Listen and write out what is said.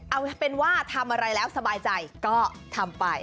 เอาเป็นว่าทำอะไรแล้วสบายใจก็ทำไป